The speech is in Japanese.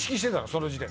その時点で。